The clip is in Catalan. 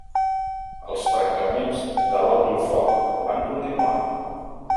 Els trencaments de l'alto el foc van continuar.